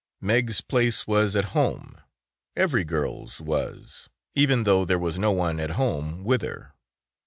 Meg's place was at home, every girl's was, even though there was no one at home with her.